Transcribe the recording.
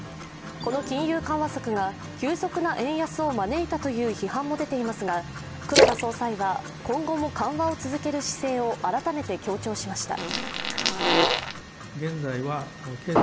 この金融緩和策が急速な円安を招いたという批判も出ていますが、黒田総裁は、今後も緩和を続ける姿勢を改めて強調しました。